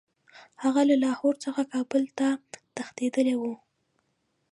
هغه له لاهور څخه کابل ته تښتېتدلی وو.